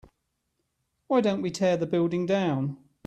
why don't we tear the building down?